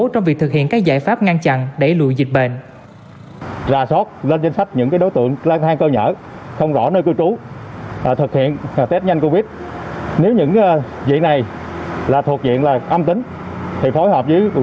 trong việc thực hiện các giải pháp ngăn chặn đẩy lùi dịch bệnh